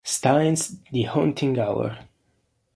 Stine's The Haunting Hour".